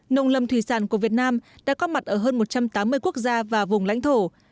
nông lâm thủy sản của việt nam đã có mặt ở hơn một trăm tám mươi quốc gia và vùng lãnh thổ